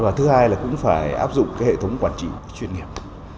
và thứ hai là cũng phải áp dụng cái hệ thống quản trị chuyên nghiệp